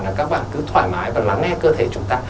là các bạn cứ thoải mái và lắng nghe cơ thể chúng ta